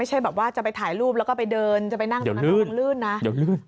ไม่ใช่แบบว่าจะไปถ่ายรูปแล้วก็ไปเดินจะไปนั่งตรงนั้นแต่มันลื่นนะเดี๋ยวลื่น